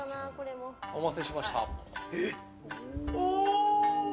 お待たせしました。